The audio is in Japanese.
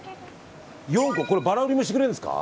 ４個ばら売りもしてくれるんですか？